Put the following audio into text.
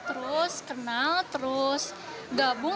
terus kenal terus gabung